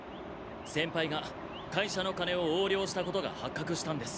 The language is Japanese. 先輩が会社の金を横領したことが発覚したんです。